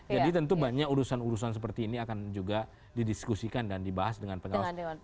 jadi tentu banyak urusan urusan seperti ini akan juga didiskusikan dan dibahas dengan pengawas